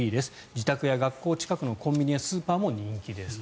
自宅や学校近くのコンビニやスーパーも人気です。